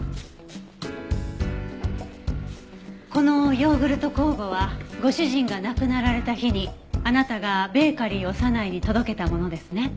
このヨーグルト酵母はご主人が亡くなられた日にあなたがベーカリーオサナイに届けたものですね？